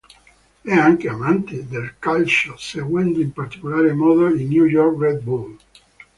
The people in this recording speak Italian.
È anche amante del calcio, seguendo in particolar modo i New York Red Bull.